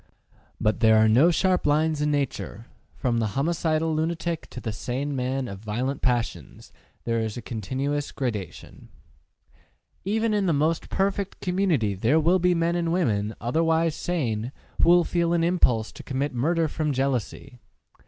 But there are no sharp lines in nature; from the homicidal lunatic to the sane man of violent passions there is a continuous gradation. Even in the most perfect community there will be men and women, otherwise sane, who will feel an impulse to commit murder from jealousy.